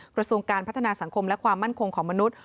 กระทรวงการพัฒนาสังคมและความมั่นคงของมนุษย์